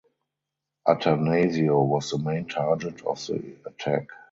Attanasio was the main target of the attack.